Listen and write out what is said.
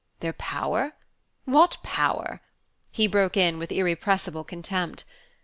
"Their power? What power?" he broke in with irrepressible contempt.